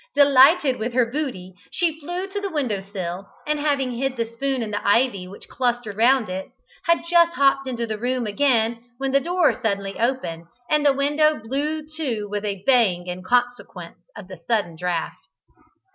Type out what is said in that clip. Delighted with her booty, she flew to the window sill, and having hid the spoon in the ivy which clustered round it, had just hopped into the room again, when the door suddenly opened, and the window blew to with a bang in consequence of the sudden draught.